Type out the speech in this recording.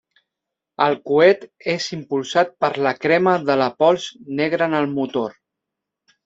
El coet és impulsat per la crema de la pols negra en el motor.